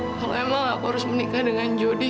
kalau emang aku harus menikah dengan jody